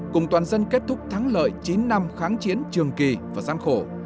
cùng toàn dân kết thúc thắng lợi chín năm kháng chiến trường kỳ và gian khổ